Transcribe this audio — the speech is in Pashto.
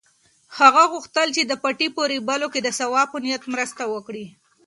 هغه غوښتل چې د پټي په رېبلو کې د ثواب په نیت مرسته وکړي.